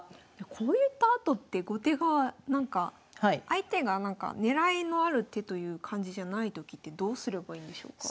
こういったあとって後手側なんか相手がなんか狙いのある手という感じじゃないときってどうすればいいんでしょうか？